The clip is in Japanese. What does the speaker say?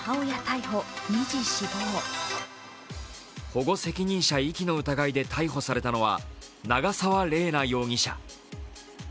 保護責任者遺棄の疑いで逮捕されたのは長沢麗奈容疑者。